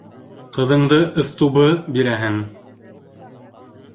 Ҡыҙыңды ыстубы бирәһең!